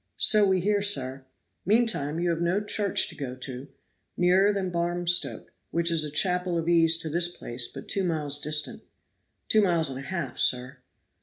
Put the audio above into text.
"So we hear, sir." "Meantime you have no church to go to nearer than Barmstoke, which is a chapel of ease to this place, but two miles distant." "Two miles and a half, sir."